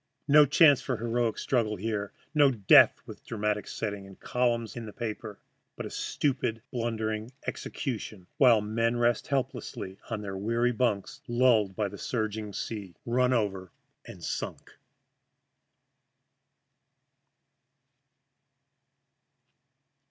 No chance for heroic struggle here, no death with dramatic setting and columns in the papers, but a stupid, blundering execution while the men rest helpless on weary bunks, lulled by the surging sea "run over and sunk."